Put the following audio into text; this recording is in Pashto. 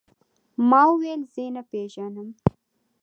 ما وويل زه يې نه پېژنم.